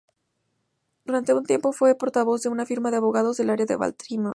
Durante un tiempo fue portavoz de una firma de abogados del área de Baltimore.